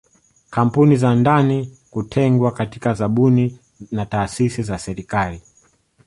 Kampuni za ndani kutengwa katika zabuni na taasisi za serikali